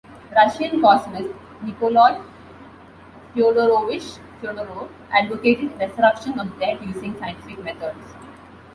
Russian Cosmist Nikolai Fyodorovich Fyodorov advocated resurrection of the dead using scientific methods.